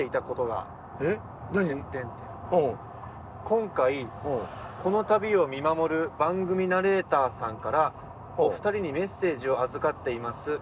「今回この旅を見守る番組ナレーターさんからお二人にメッセージを預かっています」